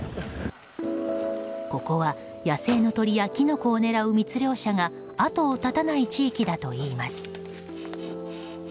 ここは野生の鳥やキノコを狙う密猟者が後を絶たない地域だといいます。